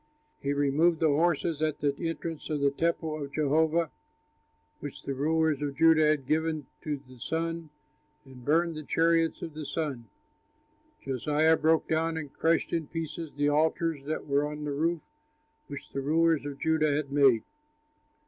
He removed the horses at the entrance of the temple of Jehovah, which the rulers of Judah had given to the sun, and burned the chariots of the sun. Josiah broke down and crushed in pieces the altars that were on the roof, which the rulers of Judah had made.